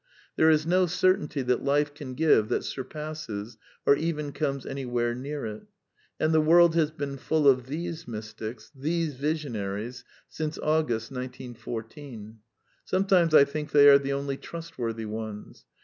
There is no certainty that life can give that sur passes or even comes anywhere near it. And the world has been full of these mystics, these visionaries, since August, 1914. Sometimes I think they are the only trustworthy ones.